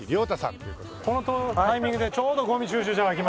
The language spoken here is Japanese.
このタイミングでちょうどゴミ収集車が来まして。